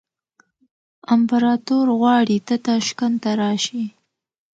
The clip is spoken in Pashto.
امپراطور غواړي ته تاشکند ته راشې.